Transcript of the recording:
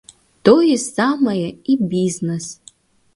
Тое самае і бізнес.